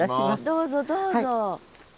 どうぞどうぞ。